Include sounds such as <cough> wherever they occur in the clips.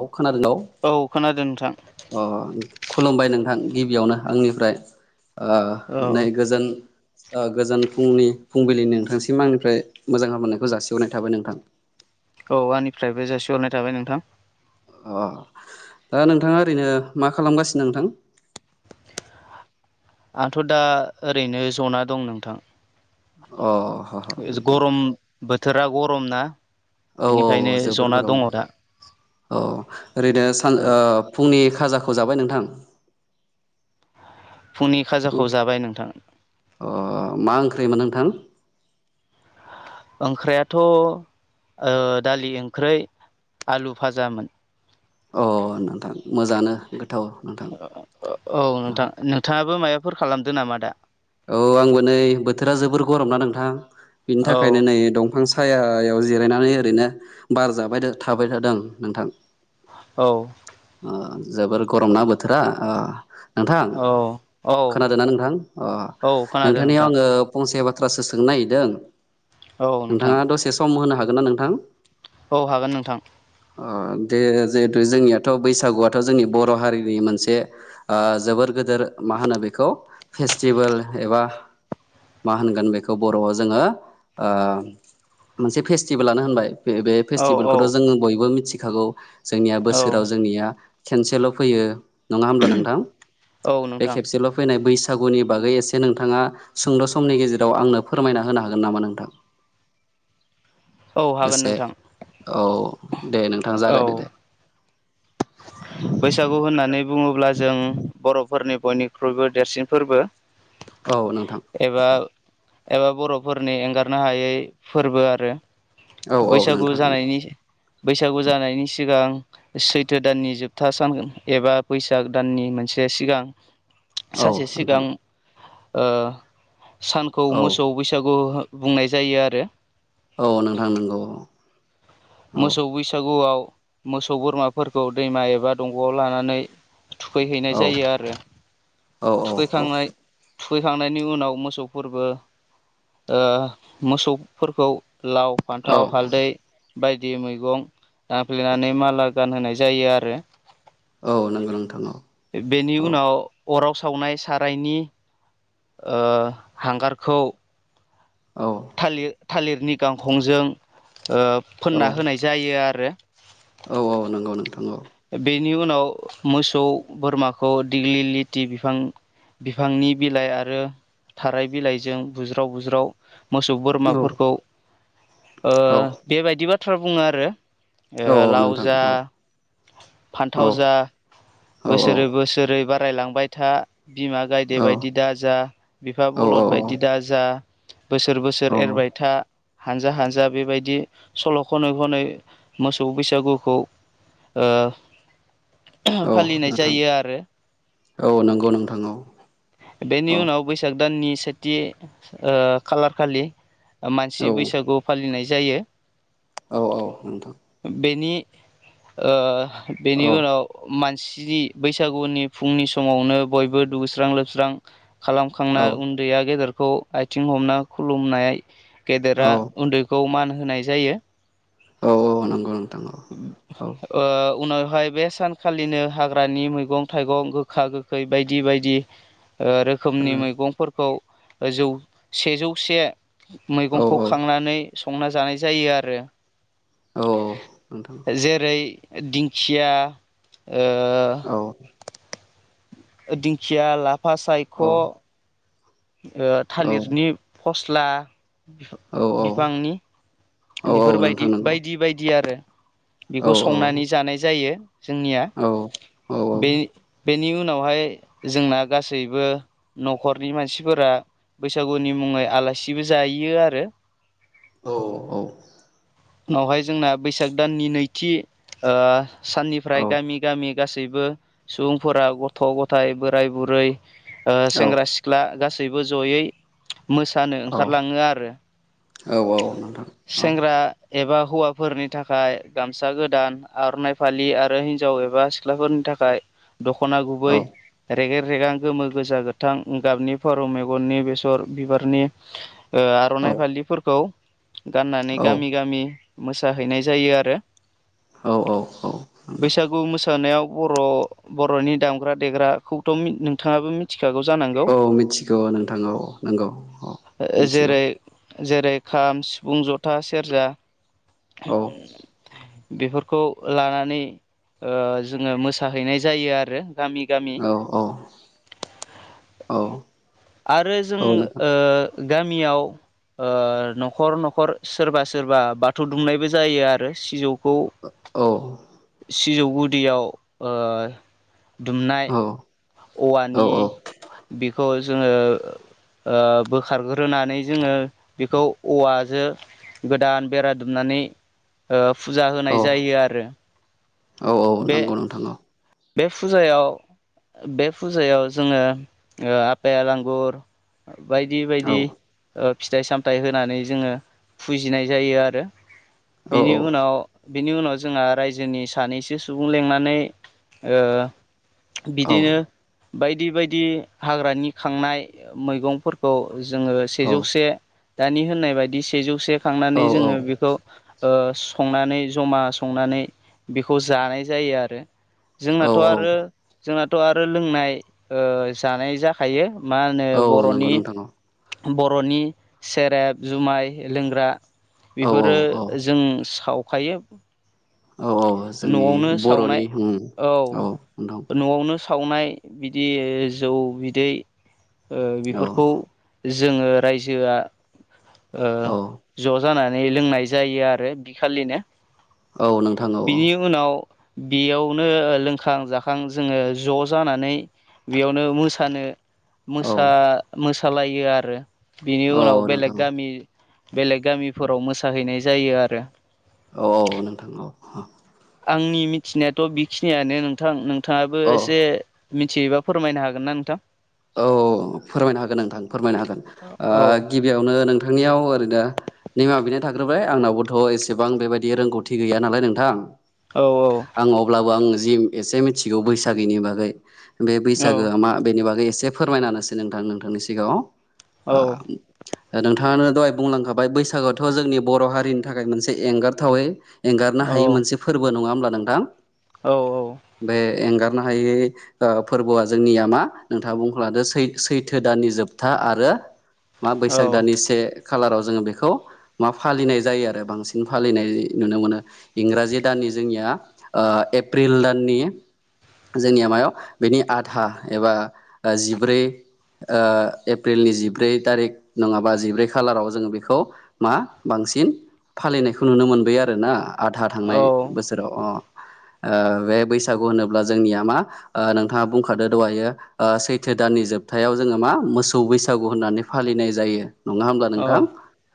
औ खोनादों औ खोनादों नोंथां औ अ' खुलुमबाय नोंथां गिबियावनो आंनिफ्राय ओ नै औ गोजोन ओ गोजोन फुंनि फुंबिलिनि नोंथांसिम आंनिफ्राय मोजां हामलायनायखौ जासिहरनाय थाबाय नोंथां। औ आंनिफ्रायबो जासिहरनाय थाबाय नोंथां। अ' ओ नोंथांङा ओरैनो मा खालामगासिनो नोंथां? आंथ दा ओरैनो ज'ना दं नोंथां। अ' ह ह ओ जो नोंथां गरम बोथोरा गरम ना? औऔ बिनिखायनो जोबोर जना गरम। दङ दा औ ओरैनो सान ओ फुंनि खाजाखौ जाबाय नोंथां? फुंनि खाजाखौ उम जाबाय नोंथां ओ मा ओंख्रि मोन नों थां। ओंख्रैयाथ ओ दालि ओंख्रै आलु फाजामोन। अ नोंथां मोजाङांनो गो ओ औ नोंथां नोंथांङाबो माबाफोर खालामदो नामा दा? औ आंबो नै बोथोरा जोबोर गरम ना नोंथां बिनि औ थाखायनो नै दंफां सा साहायाव जिरायनानै ओरैनो बार जाबाय थाबाय थादों नोंथां। औ ओ जोबोर गरम ना बोथोरा ओ नोंथां औ औ खोनादों ना नोंथां? अ । औ खोनादों नोंथां। फंसे बाथ्रासो सोंनो नागिरदों औ नोंथां नोंथांङा दसे सम होनो हागोन ना नोंथां? औ हागोन नोंथां। ओ दे जिहेतु जोंनियाथ बैसागुआथ जोंनि बर' हारिनि मोनसे ओ जोबोर गोदोर मा होनो बेखौ फेस्टिभेल एबा मा होनगोन बेखौ बरआव जोंङो ओ मोनसे फेस्टिभेलानो होनबाय बे औ औ फेस्टिभेलखौथ जोंङो बयबो मिथिखागौ जोंनिया औ बोसोराव जोंनिया खनसेल फैयो नंङा होमब्ला नोंथां औ बे नोंथां खेबसेल फैनाय बैसागुनि बागै एसे नोंथांङा सुंद समनि गेजेराव आंनो फोरमायना होनो हागोन नामा नोंथां? औ हागोन एसे नोंथां औ दे नोंथां औ जागायदो दे। बैसागु होननानै बुंङोब्ला जों बर'फोरनि बयनिख्रुइबो देरसिन फोरबो। औ नोंथां। एबा एबा बर'फोरनि एंगारनो हायै फोरबो आरो औ औ बैसागु नोंथां जानायनि बैसागु जानायनि सिगां सैथो दाननि जोबथा सान एबा बैसाग दाननि मोनसे सिगां । औ सानसे नोंथां सिगां ओ सानखौ औ मोसौ बैसागु बुंनाय जायो आरो औ नोंथां नोंगौ। मोसौ बैसागुआव मोसौ बोरमाफोरखौ दैमा एबा दंगआव लानानै थुखैहैनाय औ जायो आरो औ थुखैखांनाय थुखैखांनायनि उनाव मोसौफोरबो ओ‌ मोसौफोरखौ लाव, औ फान्थाव, हालदै बायदि मैगं दांफ्लेनानै माला गानहोनाय जायो आरो औ नंगौ नोंथां औ बेनि औ उनाव अराव सावनाय सारायनि ओ‌ हांगारखौ औ थालिर थालिरनि गांखंजों ओ औ फोनना होनाय जायो आरो औ औ नोंगौ नोंथां औ। बेनि उनाव मोसौ बोरमाखौ दिग्लि लिथि बिफां बिफांनि बिलाइ आरो थाराय बिलाइजों बुज्राव बुज्राव मोसौ औ बोरमाफोरखौ ओ औ बेबायदि बाथ्रा बुंङो आरो औ ओ औ लाव नोंथां जा औ औ फान्थाव जा औ बोसोरै बोसोरै बारायलांबाय था। बिमा गायदे औ बायदि दाजा बिफा बलद औ बायदि दाजा बोसोर बोसोर एरबाय था। हानजा हानजा बेबायदि सल' खनै खनै मोसौ बैसागुखौ ओ औ फालिनाय नोंथां जायो आरो औ नंगौ नोंथां औ बेनि औ उनाव बैसाग दाननि सेथि ओ खालारखालि मानसि औ बैसागु फालिनाय जायो। औ औ नोंथां। बेनि ओ औ बेनि उनाव मान सि बैसागुनि फुंनि समावनो बयबो दुगैस्रां लोबस्रां औ खालामखांनाय उन्दैया गेदेरखौ आथिं हमना खुलुमनाय औ गेदेरा उन्दैखौ मान होनाय जायो। औ औ नंगौ औ औ ओ उनाव हाय बे सानखालिनो हाग्रानि मैगं थाइगं गोखा गोखै बायदि बायदि ओ रोखोमनि मैगंफोरखौ जौ सेजौसे औ औ मैगंखौ औ खांनानै संना जानाय जायो आरो। औ नोंथां जेरै दिंखिया ओ दिंखिया लाफा औ सायख' ओ थालिरनि फस्ला औ बिफांनि औ नोंथां बेफोरबायदि नंगौ बायदि बायदि आरो। औ बेखौ संनानै जानाय जायो जोंनिया औ औ बे बेनि उनावहाय जोंना गासैबो न'खरनि मानसिफोरा बैसागुनि मुं ङै आलासिबो जायो आरो। औ औ उनावहाय जोंना बैसाग दाननि नैथि ओ साननिफ्राय गामि गामि गासैबो सुबुंफोरा गथ' गथाय बोराय बुरै ओ औ सेंग्रा सिख्ला गासैबो जयै मोसानो औ औ ओंखारलाङो आरो औ नोंथां औ सेंग्रा एबा हौवाफोरनि थाखाय गामसा गोदान आर'नाइ फालि आरो हिन्जाव एबा सिख्लाफोरनि था खाय दख'ना गुबै औ रेगे रेगां गोमो गोजा गोथां गाबनि फारौ मेगननि बेसर बिबारनि ओ औ आर'नाइ फालिफोरखौ गाननानै औ गामि गामि मोसाहैनाय जायो आरो। औ औ औ नोंथां बैसागु मोसानायाव बर'-बर'नि दामग्रा देग्राखौथ' नोंथाङाबो मिथि खागौ जानांगौ औ मिथिगौ नोंथां औ नंगौ औ मिथिगौ जेरै जेरै खाम सिफुं जथा सेरजा औ बेफोरखौ लानानै ओ जोंङो मोसाहैनाय जायो आरो। गामि-गामि औ औ औ आरो जों औ नोंथां ओ गामियाव ओ न'खर-न खर सोरबा सोरबा बाथौ दुमनायबो जायो आरो सिजौ खौ औ सिजौ गुदियाव ओ दुमनाय औ औवानि बेखौ जोंङो ओ बोखारग्रोनानै जोंङो बेखौ औवाजों गोदान बेरा दुमनानै फुजा औ होनाय जायो आरो। औ औ बे नांगौ नोंथां औ बे फुजायाव बे फुजायाव जोंङो ओ आपेल आांगुर बायदि औ बायदि ओ फिथाइ सामथायाइ होनानै जोंङो फुजिनाय जायो आरो औ बेनि उनाव बिनि उनाव जोंहा रायजोनि सानैसो सुबुं लेंनानै ओ बिदिनो बायदि बायदि हाग्रानि खांनाय मैगंफोरखौ जोंङो सेजौ से दानि होननाय बायदि सेजौ से औ खांनानै जोंङो बेखौ ओ संनानै जमा संनानै बेखौ जानाय जायो आरो। औ जोंनाथ' आरो जोंनाथ' आरो लोंनाय ओ जानाय जाखायो। मा होनो औ नंगौ बरनि नोंथां बरनि सेरेब जुमाय लोंग्रा औ बेफोरो जों सावखायो औ औ जोंनि नआवनो सावनाय बर'नि उम औ नआवनो स सावनाय बिदि जौ बिदै ओ औ बेफोरखौ जोङो रायजोआ ओ औ ज जानानै लोंनाय जायो आरो बि खालिनो औ नों बिनि उनाव बेयावनो लोंखां जाखां जोङो ज जानानै बेयावनो मोसानो औ मोसा मोसालायो आरो बिनि औ उनाव औ नोंथां बेलेग औ गामि बेलेग गामिफोराव मोसाहैनाय जायो आरो औ औ औ नोंथांनाव अ आंनि मिथिनायाथ बिखिनियानो नोंथां नोंथाङाबो औ एसे मिथियोबा फोरमायनो हागोन ना नोंथां औ फोरमायनो हागोन नोंथां फोरमायनो हागोन ओ औ गिबियावनो नोंथांनियाव ओरैनो निमा बिनाय थाग्रोब बाय आंनावबोथ एसेबां बेबायदि रोंगौथि गै नालाय नोंथां औ औ आं अब्लाबो आं जि एसे मिथिगौ बैसागैनि बागै बे औ बैसागोआ मा बेनि बागै जे फोरमायनानैसै नोंथां नोंथांनि सिगाङाव ओ औ नोंथाङानो दहाय बुंलांखाबाय बैसागुथ जोंनि बर हारिनि थाखाय मोनसे एंगारथावै एंगारनो हायि मोनसे फोरबो नङा हब्ला नोंथां नो हायै ओ फोरबोआ जोंनिया मा थ बुं लादो सैथो दाननि जोबथा आरो मा बैसाग दाननि से खालाराव जोङो बेखौ मा फालिनाय जायो आरो बांसिन फालिनाय नुनो मोनो इंराजि दनि जोनिया ओ एप्रिल दाननि जोंनिया मायाव बेनि आधा एबा ओ जिब्रै ओ- एप्रिलनि जिब्रै थारिख नङाबा जिब्रै खालाराव जोङो बेखौ मा बांसि बांसिन फालिनायखौ नुनो मोनबोबाय आरोना आधा औ थांनाय बोसोराव अ ओ बे बैसागु होनोब्ला जोंनिया मा ओ नोंथाङा बुंखादो दहायो ओ सैथो दाननि जोबथायाव जोङो मा मोसौ बैसागु होननानै फालिनाय जायो । नङा हब्ला औ नोंथां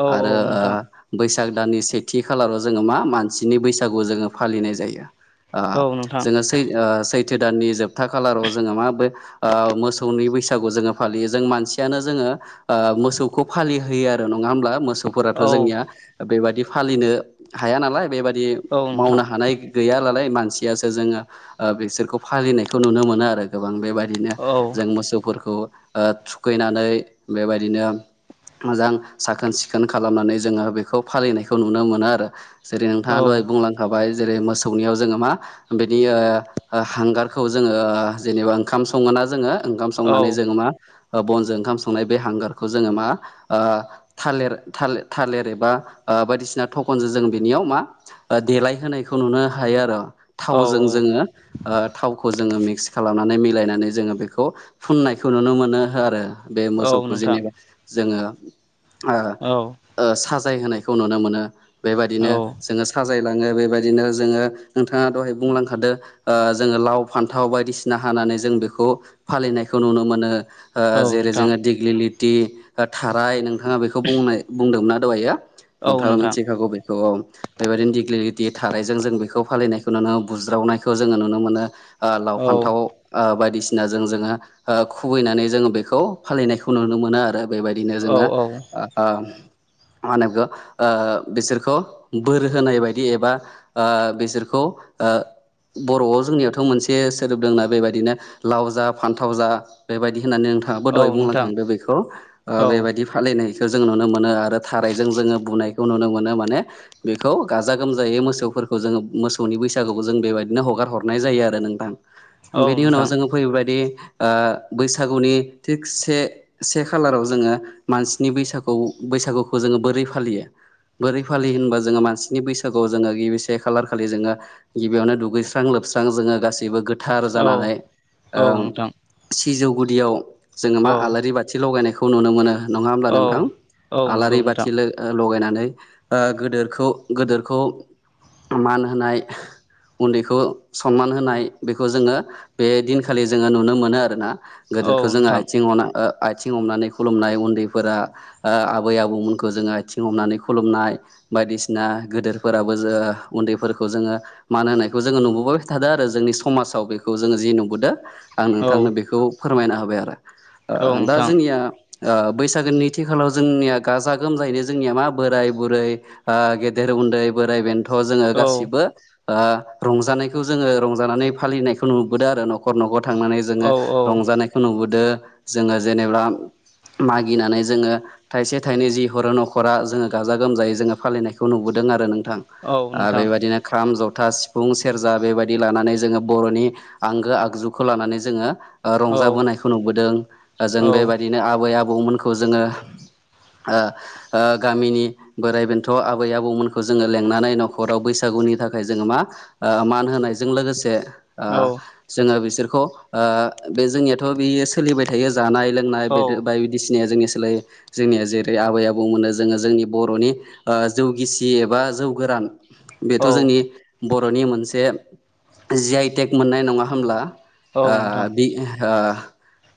औ आरो ओ नोंथां बै बैसाग दाननि सेथि खालाराव जोङो मा मानसिनि बैसागु जोङो फालिनाय जायो । ओ औ नोंथां जोङो सै ओ सैथो दाननि जोबथा खालाराव जोङो माब ओ मोसौनि बैसागु जोङो फालियो जों मानसियानो जोङो ओ मोसौखौ फालिहोयो आरो न होमब्ला मोसौ औ मोसौफोराथ जोंनिया बेबायादि फालिनो हाया नालाय बेबायाददि औ नोंथां मावनो हानाय गैया <unintelligible> मानसियासो जोङो ओ बिसोरखौ फालिनायखौ नुनो मोनो आरो गोबां बेबायदिनो औ जों मोसौफोरखौ ओ थुखैनानै बेबायदिनो मोजां साखोन सिखोन खालामनानै जोङो बेखौ फालिनायखौ नुनो मोनो आरो जेरै औ नोंथाङा नोंथां औ दहाय बुंलांखाबाय जेरै मोसौनियाव जोङो मा बेनि ओ हांगारखौ जोङो ओ जेनेबा ओंखाम संङोना ज जोङो ओंखाम औ संनानै जों मा ओ बनजों ओंखाम संनाय बे हांगारखौ जोङो मा ओ थालिर थालि थालिर एबा ओ बायदिसिना थखनजों जों बिनियाव मा ओ देलायहोनायखौ नुनो हायो आरो औ थावजों जोङो ओ थावखौ जोङो मिक्स खालामनानै मिलायनानै जोङो बेखौ खौ फुननायखौ नुनो मोनो हो आरो बे औ मोसौखौ नोंथां जेनेबा जोङो ओ औ ओ साजाय होनायखौ नुनो मोनो औ बेबायदिनो जोङो साजाय साजायलाङो बेबायदिनो जोङो नोंथांआ दहाय बुंलांखादो ओ जोङो लाव फान्थाव बायदिसिना हानानै जों बेखौ फालिनायखौ नुनो मोनो, ओ जेरै नोंथां जोङो दिग्लि लिति ओ थाराय ओ बेखौ बुंनाय बुंदोंमोनना दहायो औ औ नोंथाङा मिथिखागौ बेखौ औ, बेबायदिनो दिगलिटि थारायजों जों बेखौ फालिनायखौ नुनो बुज्रावनायखौ जोङो नुनो मोनो, ओ लाव औ नंगौ फान्थावाव ओ बायदिसिना जों जोङो ओ खुबैनानै जोङो बेखौ फालिनायखौ नुनो मोनो आरो बेबायदिनो जोङो ओ मा होनो बेखौ ओ बिसोरखौ बोर होनाय बायदि एबा ओ बिसोरखौ ओ बर'आव जोंनियावथ' मोनसे सोदोब दोंना बेबायदिनो लाव जा जा, फान्थाव जा बेबायदि होननानै नोंथाङाबो दहाय नोंथां बुंलांखांदो बेखौ ओ औ बेबायदि फालिनाय जों नुनो मोनो आरो थारायजों जोङो बुनायखौ नुनो मोनो माने बेखौ गाजा गोमजायै मोसौ फोरखौ जोङो मोसौनि बैसागुखौ जों बेबायदिनो हगार हरनाय जायो आरो नोंथां, औ बेनि उनाव नोंथां जोङो। बेफोरबादि ओ बैसागुनि थिगसे से खालाराव जोङो मानसिनि बै सागुखौ जोङो बोरै फालियो? बोरै फालियो होनबा जोङो मानसिनि बैसागुआव जोङो गिबि से खालार खालि जोङो गिबियावनो दुगैस्रां लोब लोबस्रां जोङो गासैबो गोथार औ जानानै ओ औ नोंथां। सिजौ गुदियाव जोङो औ मा आलारि बाथि लगायनायखौ नुनो मोनो। नङा होमब्ला औ नोंथां? आलारि बाथि लो ओ लगायनानै ओ गोदोरखौ गोदोरखौ मान होनाय, उन्दैखौ सनमान होनाय बेखौ जोङो बे दिन खालि जोङो नुनो मोनो आरोना, गोदोरखौ जोङो आयथिं आयथिं हमनानै खुलुमनाय, उन्दैफोरा ओ आबै आबौमोनखौ जोङो आयथिं हमनानै खुलुमनाय। बायदिसिना गोदोरफोराबो जो उन्दैफोरखौ जोङो मान होनायखौ जोङो नुबोबाय थादो आरो जों। जोंनि समाजाव बेखौ जोङो जि नुबोदो। आं नोंथांनो बेखौ फोरमायना होबाय आरो ओ दा नोंथां जोंनिया ओ बैसागोनि नैथि खालाराव जोंनिया गाजा गोमजायैनो जोंनिया मा बोराय बुरै ओ गेदेर उन्दै, बोराय बेन्थ'। खौ जोङो गासिबो ओ रंजानायखौ जोङो रंजानानै फालिनायखौ नुबोदो आरो न'खर न'खर न'खर थांनानै जोङो रंजानायखौ नुबोदो, जोङो जेनेब्ला मागिनानै जोङो थाइसे थाइनै जि हरो न'खरा जोङो गाजा गोमजायै जोङो फालिनायखौ नुबोदों आरो नों थां, ओ बेबायदिनो ख्राम जथा था, सिफुं, सेरजा बेबायदि लानानै जोङो बर'नि आंगो आगजुखौ लानानै जोङो। ओ औ रंजाबोनायखौ नुबोदों, औ जों बेबायदिनो आबै आबौमोनखौ जोङो ओ ओ गामिनि बोराइ बेन्थ' आबै आबौमोनखौ जोङो लेंंनानै न'खराव बैसाग गुनि थाखाय जोङो मा ओ मान होनायजों लोगोसे ओ औ जोङो बिसोरखौ ओ बे जोंनिया थ' बियो सोलिबाय थायो जानाय लोंनाय औ बेदर बायदिसिनाया जोंनिया जोंनिया जेरै आबै आबौ मोन्नो जोङो जोंनि बर'नि ओ जौ गिसि एबा जौ गोरान। बेथ' औ जोंनि बर'नि मोनसे जिआइ टेग मोननाय नङा होमब्ला? औ ओ नोंथां बि ओ।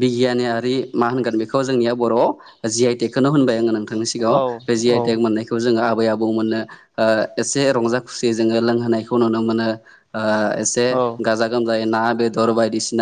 बिगियानियारि मा होनगोन बेखौ जोंनिया बर'आव जिआइ टेगखौनो होनबाय आङो नों थांनि सिगाङाव औ बे जिआइ औ टेग मोननायखौ जोङो आबै आबौ मोन एसे रंजा खुसिै जोङो लोंहोनायखौ नुनो मोनो एसे औ गाजा गोमजायै ना बेदर बायदिसिना